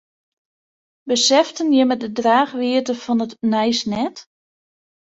Beseften jimme de draachwiidte fan it nijs net?